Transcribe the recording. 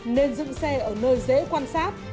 nên dựng xe ở nơi dễ quan sát